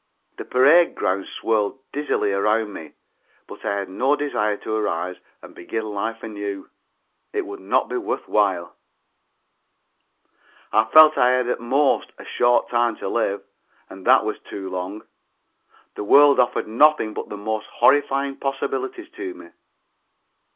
The parade ground swirled dizzily around me, but I had no desire to arise and begin life anew. It would not be worth while. I felt that I had at the most only a short time to live, and that that was too long. The world offered nothing but the most horrifying possibilities to me.